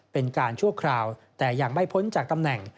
เป็นการชั่วคราวแต่ยังไม่พ้นจากตำแหน่ง